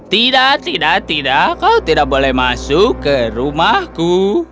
tidak tidak tidak kau tidak boleh masuk ke rumahku